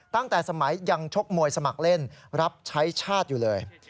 ตั้งแต่สมัยยังชกมวยสมัครเล่นรับใช้ชาติอยู่เลย